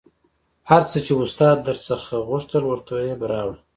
هر څه چې استاد در څخه غوښتل ورته یې راوړه